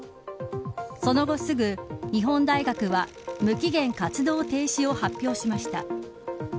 その後すぐ、日本大学は無期限活動停止を発表しました。